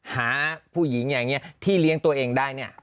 หาผู้หญิงอย่างนี้ที่เลี้ยงตัวเองได้เนี่ย